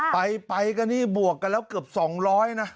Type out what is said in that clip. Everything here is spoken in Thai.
ไปกันนี่บวกกันแล้วเกือบ๒๐๐นะ